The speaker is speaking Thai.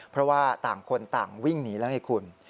เพราะว่าต่างคนต่างวิ่งหนีแล้วไงคุณ